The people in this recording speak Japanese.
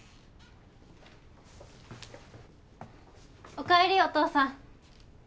おかえりお父さん